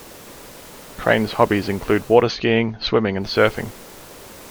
Crane’s hobbies include water skiing, swimming and surfing.